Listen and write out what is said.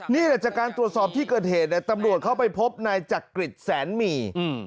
นี่แหละจากการตรวจสอบที่เกิดเหตุตำรวจเข้าไปพบนายจักริตแสนหมี่